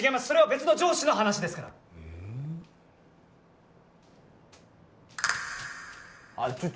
それは別の上司の話ですからええ？